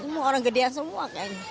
semua orang gedean semua kayaknya